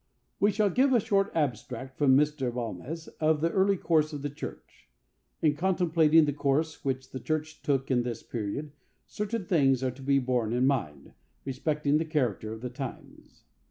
We shall give a short abstract, from M. Balmes, of the early course of the church. In contemplating the course which the church took in this period, certain things are to be borne in mind respecting the character of the times.